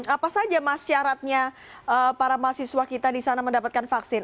apa saja mas syaratnya para mahasiswa kita di sana mendapatkan vaksin